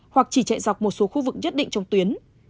hoặc chỉ chạy dọc một số khu vực nhất định trong tuyến